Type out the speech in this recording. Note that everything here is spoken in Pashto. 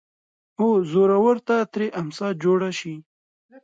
هو زورور ته ترې امسا جوړه شي